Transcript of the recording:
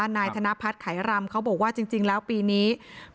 นายธนพัฒน์ไขรำเขาบอกว่าจริงแล้วปีนี้